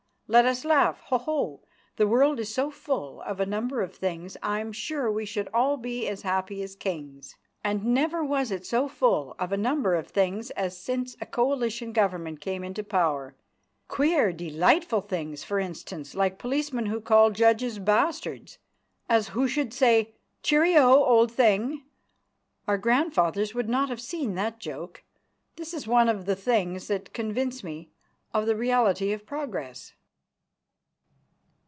let us laugh, "Ho, ho!" The world is so full of a number of things, I'm sure we should all be as happy as kings. And never was it so full of a number of things as since a Coalition Government came into power queer, delightful things, for instance, like policemen who call judges "bastard," as who should say: "Cheerio, old thing!" Our grandfathers would not have seen that joke. That is one of the things that convince me of the reality of progress.